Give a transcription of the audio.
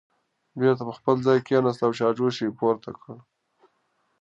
بېرته په خپل ځای کېناسته، چایجوش یې پورته کړه